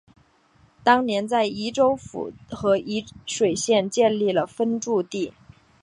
当年就在沂州府和沂水县建立了分驻地。